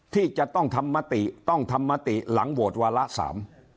ที่จะต้องทำประชามติต้องทำประชามติหลังโหดวรรษาม